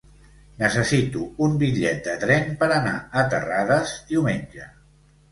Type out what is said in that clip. Necessito un bitllet de tren per anar a Terrades diumenge.